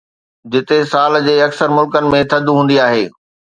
جتي سال جي اڪثر ملڪن ۾ ٿڌ هوندي آهي